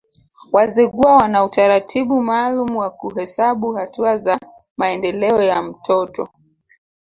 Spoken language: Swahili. Wazigua wana utaratibu maalum wa kuhesabu hatua za maendeleo ya mtoto